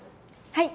はい。